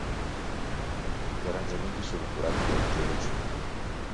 Gli arrangiamenti sono curati da Ruggero Cini.